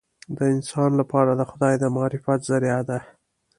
د انسان لپاره د خدای د معرفت ذریعه ده.